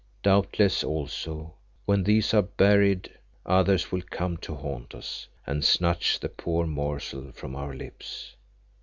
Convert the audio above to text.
Doubtless also, when these are buried others will come to haunt us, and snatch the poor morsel from our lips.